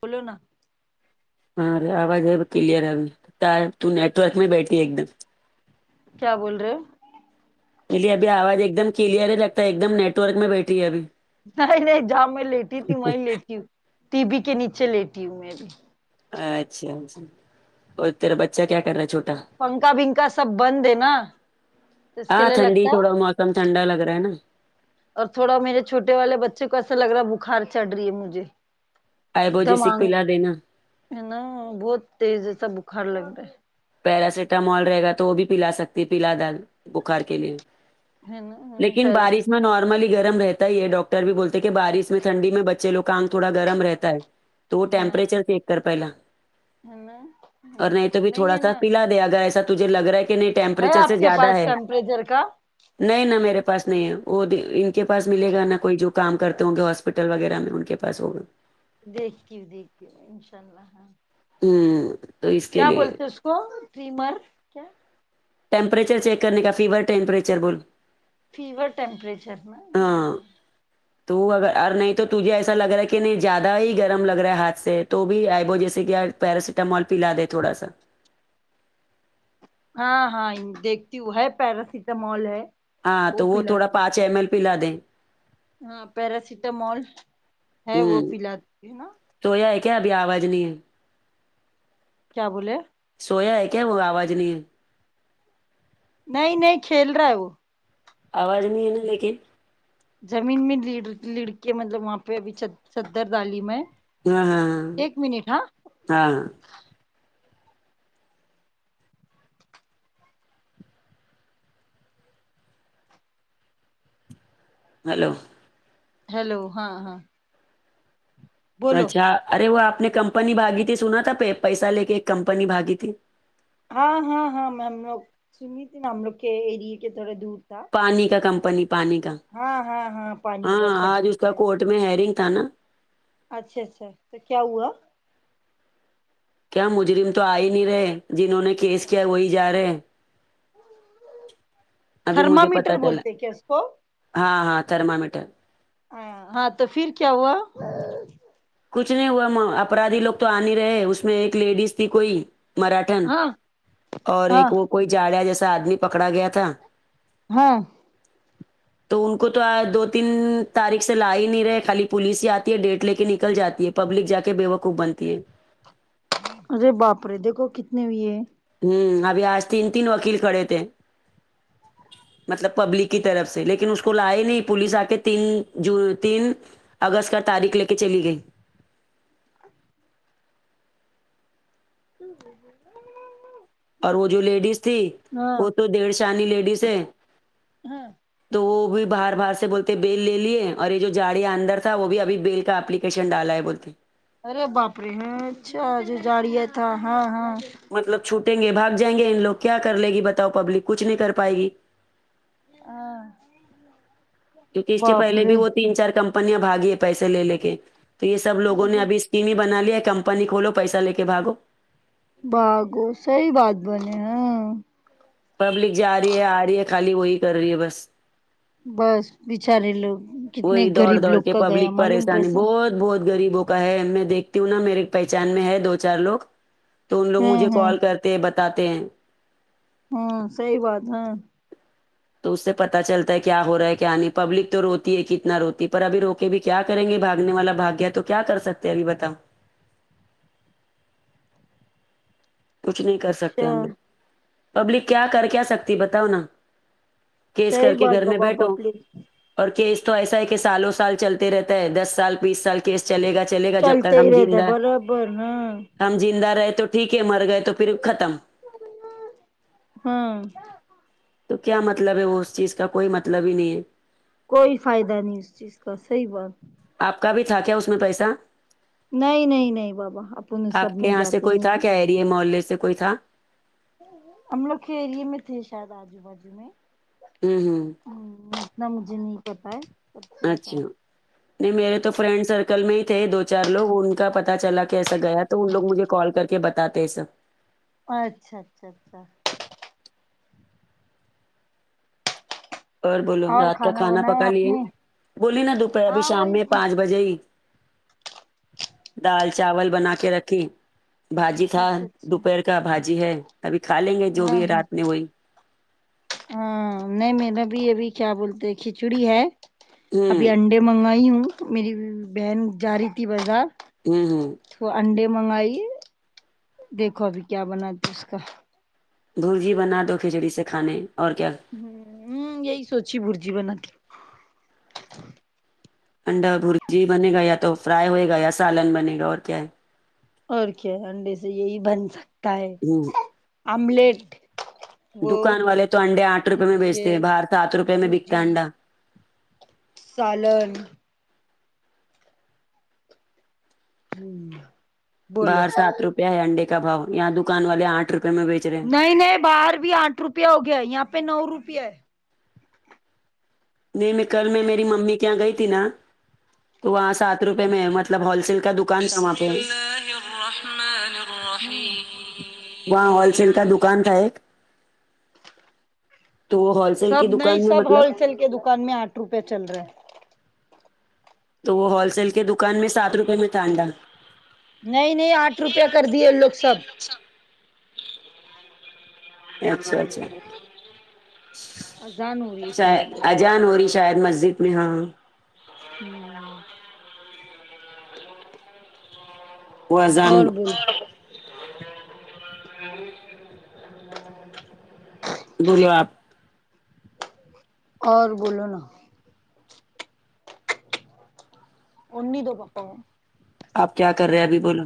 بولو نا ہاں آواز اب کلیئر آری ت نیٹورک میں بیٹھی ہے ایک دم کیا بول رہے ہو بولی ابھی آواز ایک دم کلیئر ہی لگتا ہے ایک دم نیٹ ورک میں بیٹھی ہے ابھی آرے نہیں جہاں میں لیٹی تھی وہی لیٹی ہوں ٹی وی کے نیچے لیٹی ہوں میں بھی اچھا اچھا اور تیرا بچہ کیا کر رہا ہے چھوٹا پنکھا پنکا سب بند ہے نا اس کے لیے لگتا ہے ایک دم ٹھنڈا لگ رہا ہے نا اور تھوڑا میرے چھوٹے والے بچے کو ایسا لگ رہا بخار چڑھ رہی ہے مجھے آئبو اکدم جیسک آنگ پلا دینا ہے نا بہت تیز سا بخار لگتا ہے پیراسیٹامول رہے گا تو وہ بھی پلا سکتی پلا دال بخار کے لیے ہے نا لیکن پیرس بارش میں نارملی گرم رہتا ہی ہے ڈاکٹر بھی بولتے ہیں کہ بارش میں ٹھنڈی میں بچے لوگ کا آنگ تھوڑا گرم رہتا ہے تو ہاں ٹیمپریچر چیک کر پہلا ہے نہ اور نہیں تو ہاں بھی ن تھوڑا سا پلا دے اگر ایسا تجھے لگ رہا ہے کہ نہیں ہے ٹیمپریچر سے آپ کے زیادہ پاس ہے ٹمپریچر کا نہیں نہ میرے پاس نہیں ہے وہ ان کے پاس ملے گا نہ کوئی جو کام کرتے ہوں گے پاس ہوسپٹل وغیرہ میں ان کے پاس ہو گا دیکھتی ہوں دیکھتی ہوں انشاء اللہ ہاں ہوں کیا بولتے اس کو ٹریمر کیا ٹیمپریچر چیک کرنے کا فیور ٹیمپریچر بول فیور ٹمپریچر نا ہاں تو اگر اور نہیں تو تجھے ایسا لگ رہا ہے کہ نہیں زیادہ ہی گرم لگ رہا ہے ہاتھ سے تو بھی ایبو جیسے کہیار پیراٹامال پیلا دے تھوڑا سا ہاں ہاں دیکھتی ہوں ہے پیراسیٹامول ہے ہاں تو وہ پلا تھوڑا دی پانچ ایم ایل پلا دیں ہاں پیراسیٹامول ہے وہ ہ پلا دونگی نہ سویا ہے کیا ابھی آواز نہیں ہے کیا بولے سویا ہے کیا وہ آواز نہیں ہے نہیں نہیں کھیل رہا ہے وہ آواز نہیں ہے نا لیکن زمین میں لڑ لڑ کے مطلب وہاں پہ ابھی چد چددر دالی میں ہاں ہاں ہاں ایک منٹ ہاں ہاں ہاں ہیلو ہیلو ہاں ہاں بولو اچھا ارے وہ آپ نے کمپنی باگی تھی سنا تھا پیسہ لے کے ایک کمپنی بھاگی تھی ہاں ہاں ہاں میں ہم لوگ سنی تھی نا ہم لوگ کے ایریے کے تھوڑا دور تھا پانی کا کمپنی پانی کا ہاں ہاں ہاں پانی کا ہاں آج کھجور اس کا کورٹ میں ہیئرنگ تھا نا اچھا اچھا پھر کیا ہوا کیا مجرم تو آ ہی نہیں رہے جنہوں نے کیس کیا وہی جا رہے [inaudible] تھرمامیٹر پتا چلا بولتے کیا اس کو ہاں ہاں تھرمامیٹر ہاں تو پھر کیا ہوا کچھ نہیں ہوا اپرادھی لوگ تو آ نہیں رہے اس میں ایک لیڈیز تھی کوئی مراٹھن ہاں اور ہاں ایک وہ کوئی جاڑیا جیسا آدمی پکڑا گیا تھا ہاں تو ان کو تو دو تین تاریخ سے لا ہی نہیں رہے خالی پولیس ہی آتی ہے ڈیٹ لے کے نی کل جاتی ہے پبلک جا کے بےوقوف بنتی ہے ارے باپرے دیکھو کتنے ہوئی ہے ہوں ابھی آج تین تین وکیل کھڑے تھے مطلب پبلک کی طرف سے لیکن اس کو لائے نہیں پولیس آ کے تین جو تین اگست کا تاریخ لے کے چلی گئی [unintelligible] اور وہ جو لیڈیز تھی ہاں وہ تو دیڑھ شانی لیڈیز ہے ہاں تو وہ بھی باہر باہر سے بول تے بیل لے لیے اور یہ جو جاڑیا اندر تھا وہ بھی ابھی بیل کا اپلیکیشن ڈالا ہے بولتے ارے باپ رے ہیں اچھا جو جاڑیا تھا ہاں ہاں مطلب چھوٹیں گے بھگ جائیں گے ان لوگ کیا کر لے گی بتاؤ پبلک کچھ نہیں کر پائے گی ہاں کیونکہ اس سے باپ پہلے رے بھی وہ تین چار کمپنیاں بھاگی ہے پیسے لے لے کے تو یہ سب لوگوں نے ابھی تینی بنا لیا ہے کمپنی کھولو پیسہ لے کے بھاگو باگو صحیح بات بولے ہیں پبلک جا رہی ہے آ رہی ہے خالی وہی کر رہی ہے بس بس بچارے لوگ کتنے وہی دوڑ غریب دوڑ لوگ کے کا گیا پبلک معلوم پریشانی پیسہ بہت بہت غریبوں کا ہے میں دیکھتی ہوں نا میرے پہچان میں ہے دو چار لوگ تو ان لوگ ہاں مجھے ہاں کال کرتے ہیں بتاتے ہیں ہوں صحیح بات ہے تو اس سے پتا چلتا ہے کیا ہو رہا ہے کیا نہیں پبلک تو رو کتنا روتی پر ابھی روکے بھی کیا کریں گے بھاگنے والا بھاگ گیا تو کیا کر سکتے ہیں ابھی بتاؤ کچھ نہیں کر سکتے اچھا ہم لوگ پبلک کیا کر کیا سکتی بتاؤ نا کیس کر صحیح کے بات گھر میں بابا بیٹھو پپلی اور کیس تو ایسا ہے کہ سالوں سال چلتے رہتا ہے دس سال بیس سال کیس چلے گا چلے گا جب چلتے تک ہی ہم رہتا جندہ برابر ہاں ہم زندہ رہے تو ٹھیک ہے مر گئے تو پھر ختم ہاں تو کیا مطلب ہے وہ اس چیز کا کوئی مطلب ہی نہیں ہے کوئی فائدہ نہیں اس چیز کا صحیح بات آپ کا بھی تھا کیا اس میں پیسہ نہیں نہیں نہیں بابا اپن ان سب میں جاتے نہیں یہ محلے سے کوئی تھا ہم لوگ کے ایریے میں تھے شاید آجو بجو میں ہوں ہوں ہمم اتنا مجھے نہیں پتا ہے صحیح اچھا شاید نہیں میرے تو فرینڈ سرکل میں ہی تھے دو چار لوگ ان کا پتہ چلا کیسا گیا تو ان لوگ مجھے کال کر کے بتاتے ہے سب اچھا اچھا اچھا اور بولو اور رات کا کھانا بنایا پکا آپ لیے نے بولی نا دوپہر ابھی ہاں شام میں وہی پانچ بجے ہی دال چاول بنا کے رکھی بھاجی کھا اچھا اچھا دوپہر کا بھاجی ہے ابھی کھا لیں گے جو بھی ہے رات میں وہی ہمم نہیں میرا بھی ابھی کیا بولتے کھچڑی ہے ابھی ہوں انڈے منگائی ہوں میری بہن جا رہی تھی بازار ہمم ہمم تو انڈے منگائی دیکھو ابھی کیا بناتے اس کا برجی بنا دو کھچڑی سے کھانے اور کیا ہمم یہی سوچی برجی بنا تی ہوں انڈا برجی بنگا یا تو فرائی ہوئے گا یا سالن بنے گا اور کیا ہے اور کیا انڈے سے یہی بن سکتا ہے آملیٹ وہ دکان والے تو انڈے آٹ نہیں روپئے تو میں بیچتے ہیں یہ باہر تو آٹ روپئے میں بکتا برجی ہے انڈا سالن ہمم باہر سات روپئے ہے انڈے کا بھاؤ یہاں دکان والے آٹھ روپیے میں بیچ رہے ہیں نہیں نہیں باہر بھی آٹ روپیہ ہو گیا ہے یہاں پے نو روپیہ ہے نہیں میں کل میں میری ممی کے یہاں گئی تھی نا تو وہاں سات روپے میں مطلب ہول سیل کا دکان تھا وہاں پے ہمم وہاں ہول سیل کا دکان تھا ایک تو ہول سیل سب کی نہیں دکان میں سب ہول مطلب سیل کے دکان میں آٹھ روپے چل رہے تو وہ ہول سیل کے دکان میں سات روپئے میں تھا انڈا نہیں نہیں آٹھ روپے کر دیے ان لوگ سب اچھا اچھا اذان ہو رہی ہے اچھا شاید لگتا اذان ہو رہی شاید مسجد میں ہاں ہمم وہ اذان اور بولو بولو آپ اور بولو نا اونی دو پاپا آپ کیا کر رہے ہیں ابھی بولو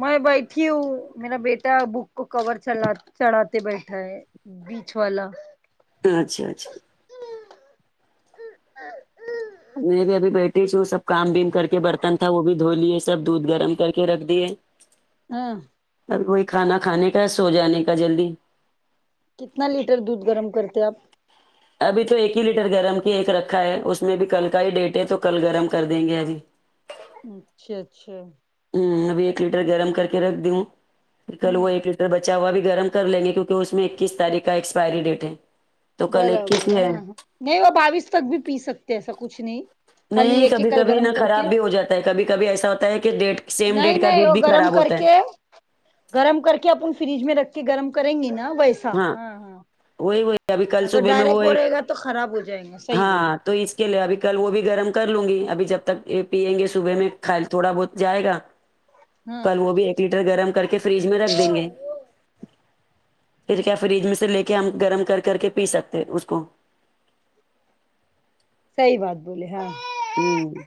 میں بیٹھی ہوں میرا بیٹا بک کو کور چ چلا چڑھاتے بیٹھا ہے بیچ والا اچھا اچھا میں بھی ابھی بیٹھی ہوں سب کام بیم کر کے برتن تھا وہ بھی دھو لیے سب دودھ گرم کر کے رکھ دیے ہاں اور وہی کھانا کھانے کا سو جانے کا جلدی کتنا لیٹر دودھ گرم کرتے آپ ابھی تو ایک ہی لیٹر گرم کی ایک رکھا ہے اس میں بھی کل کا ہی ڈیٹ ہے تو کل گرم کر دیں گے ابھی اچھا اچھا ہمم ابھی ایک لیٹر گرم کر کے رکھ دی ہوں پھر کل ہوں وہ ایک بچا ہوا بھی گرم کر لیں گے کیونکہ اس میں اکیس تاریخ کا ایکسپائری ڈیٹ ہے تو کل ایک کیسی برابر ہے ہاں نہیں وہ باویس تک بھی پی سکتے ایسا کچھ نہیں خالی نہیں ایک کبھی ایکل کبھی نہ گرم کر کے خراب بھی ہو جاتا ہے کبھی کبھی ایسا ہوتا ہے کہ ڈیٹ سیم نہیں ڈیٹ کا نہیں دودھ وہ بھی گرم خراب کر ہوتا ہے کے گرم کر کے اپن فریج میں رکھ کے گرم کریں گے نا ویسے اچھا ہاں ہاں وہی وہی ابھی کل اگر صبح میں وہ ڈائریکٹ ہو ایک رہے گا تو خراب ہو جائیں گا صحیح بولی ہاں تو اس کے لیے ابھی کل وہ بھی گرم کر لوں گی ابھی جب تک پیئیں گے صبح میں کل تھوڑا بہت جائے گا ہاں کل وہ بھی ایک لیٹر گرم کر کے فریج میں رکھ دیں گے پھر کیا فریج میں سے لے کے ہم گرم کر کر کے پی سکتے اس کو صحیح بات بولے ہاں ہمم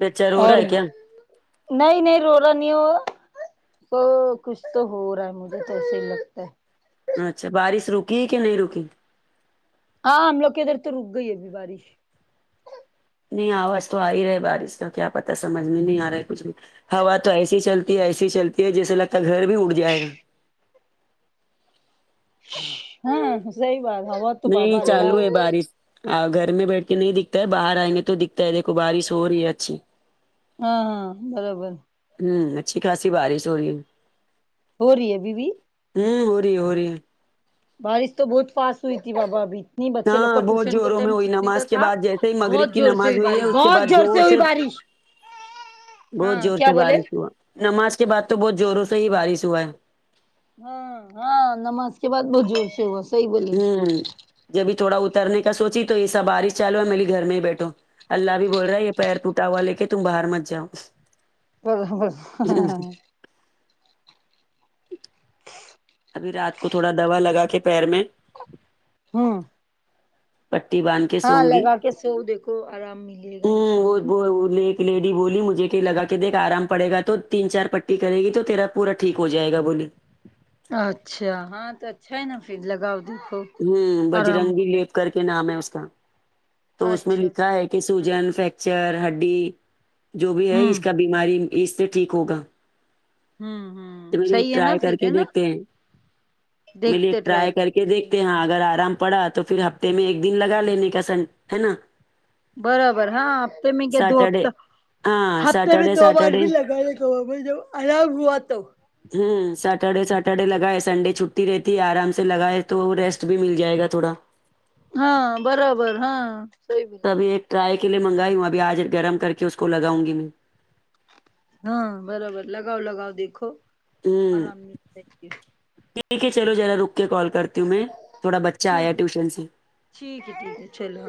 بے چر ہو رہا اور ہے کیا نہیں نہیں رو رہا نہیں وہ اسکو کچھ تو ہو رہا ہے مجھے تو ایسے ہی لگتا ہے اچھا بارش رکی کہ نہیں رکی ہاں ہم لوگ کے ادھر تو رک گئی ابھی بارش نہیں آواز تو آ ہی رہا بارش کا کیا پتا سمجھ میں نہیں آ رہا ہے کچھ بھی ہوا تو ایسی چلتی ہے ایسی چلتی ہے جیسے لگتا ہے گھر بھی اورڈ جائے گا ہاں صحیح بات ہوا تو نہیں بابا اللہ چالو ہے بارش گھر میں بیٹھ کے نہیں دکھتا ہے باہر آئنگے تو دکھتا ہے دیکھو بارش ہو رہی ہے اچھی ہاں ہاں برابر ہمم اچھی خاصی بارش ہو رہی ہے ہو رہی ہے ابھی بھی ہوں ہو رہی ہے ہو رہی ہے بارش تو بہت فاسٹ ہوئی تھی بابا ابھی نہیں بچے لوگ کا ہاں بہت ٹیوشن کے زوروں میں ٹائم ہوئی چھوٹنے کا نماز کے تھا بعد جیسے ہی مغرب بہت کی زور سے نماز ہوئی ہے بارش اس کے بہت بعد زور سے ہوئی بارش ہاں بہت زور کیا سے بولے بارش ہوا نماز کے بعد تو بہت زوروں سے ہی بارش ہوا ہے ہاں ہاں نماز کے بعد بہت زور سے ہوا صحیح بولے ہوں جبھی تھوڑا اترنے کا سوچی تو یہ سا بارش چلو ہوا میں لی گھر میں ہی بیٹھو اللہ بھی بول رہا ہے یہ پیر پہوٹا ہوا لے کے تم باہر مچ جاؤ برابر ابھی رات کو تھوڑا دوا لگا کے پیر میں ہاں پٹی باندھ کے سو ہاں گی ہ لگا کے سو دیکھو آرام ملے [unintelligible] گا انشاء وہ اللہ وہ وہ لے لیڈی بولی مجھے کہ لگا کہ دیکھ آرام پڑے گا تو تین چار پٹٹی کرے گی تو تیرا پورا ٹھیک ہو جائے گا بولی اچھا ہاں تو اچھا ہے نا پھر لگاؤ دیکھو ہوں آرام بجرنگی ہوتا ہے لیپ کر کے نام ہے اس کا تو اس میں اچھا لکھا اچھا ہے کہ اچھا ہاں سوجن فیکچر ہڈی جو بھی ہے اس ہوں کا بیماری اس سے ٹھیک ہوگا ہوں تو ہوں ایک صحیح ہے نا ٹرائی کر پھر کے ہے نا دیکھتے ہیں ملیے دیکھتے ٹرائی کر کے کرتے صحیح دیکھتے ہاں اگر آرام پڑا تو پھر ہفتے میں ایک دن لگا لینے کا سن ہے نا برابر ہاں ہپتے میں گیا دو ہپت سیٹرڈے ہاں ہفتے میں سیٹرڈے دو بار سیٹرڈے بھی لگانے کا بابا جب آرام ہوا تو امم سیٹرڈے سیٹرڈے لگائے سنڈے چھٹی رہتی ہے آرام سے لگائے تو ریسٹ بھی مل جائے گا تھوڑا ہاں برابر ہاں صحیح بی تو ابھی ایک ٹرائی کے لیےمنگائی ہوں ابھی آج گرم کر کے اس کو لگاو گی میں ہاں برابر لگاؤ لگاؤ دیکھو ہوں آرام ملتا ہے اس سے ٹھیک ہے چلو ذرا رک کے کال کرتی ہوں میں تھوڑا بچہ آیا ٹھیک ہے ٹیوشن سے ٹھیک ہے ٹھیک ہے چلو